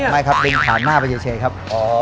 ไม่ครับวิ่งผ่านหน้าไปเฉยครับ